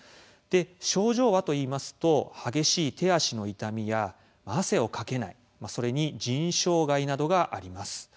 症状というと激しい手足の痛みや汗をかけないそれに腎障害などがあります。